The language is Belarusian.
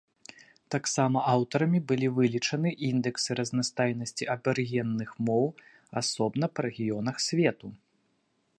Таксама аўтарамі былі вылічаны індэксы разнастайнасці абарыгенных моў асобна па рэгіёнах свету.